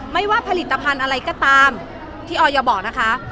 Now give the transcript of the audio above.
ไม่ว่าผลิตภัณฑ์อะไรก็ตามที่ออยบอกนะคะ